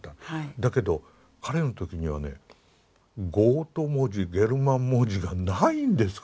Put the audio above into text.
だけど彼の時にはねゴート文字ゲルマン文字がないんですからね。